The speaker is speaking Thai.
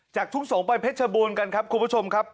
จากถุงสงปล่อยเพชรชบูรณ์กันครับคุณผู้ชมครับ